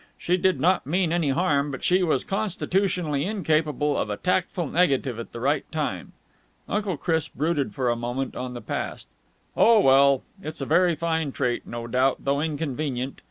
She did not mean any harm, but she was constitutionally incapable of a tactful negative at the right time." Uncle Chris brooded for a moment on the past. "Oh, well, it's a very fine trait, no doubt, though inconvenient.